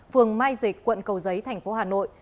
phường mai dịch quận cầu giấy thành phố hà nội